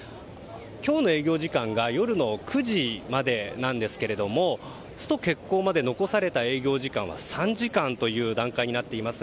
今日の営業時間が９時までなんですがスト決行まで残された営業時間は３時間という段階になっています。